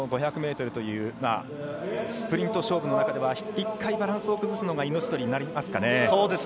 ５００ｍというスプリント勝負の中では１回バランスを崩すのが命取りになりますかね。